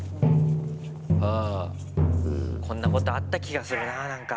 こんなことあった気がするなぁなんか。